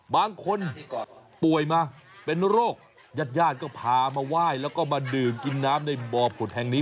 บางคนป่วยมาเป็นโรคญาติญาติก็พามาไหว้แล้วก็มาดื่มกินน้ำในบ่อผุดแห่งนี้